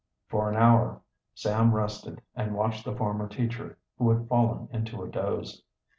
For an hour Sam rested and watched the former teacher, who had fallen into a doze.